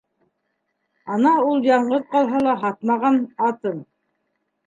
Ана, ул яңғыҙ ҡалһа ла, һатмаған атын!